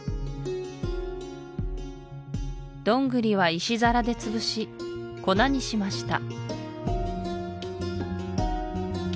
ドングリは石皿で潰し粉にしました